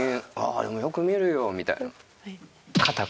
でもよく見るよ」みたいな。